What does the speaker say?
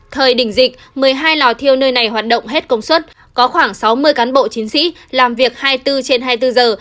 thời đỉnh dịch một mươi hai lò thiêu nơi này hoạt động hết công suất có khoảng sáu mươi cán bộ chiến sĩ làm việc hai mươi bốn trên hai mươi bốn giờ